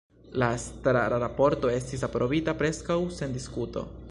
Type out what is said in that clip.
La estrara raporto estis aprobita preskaŭ sen diskuto.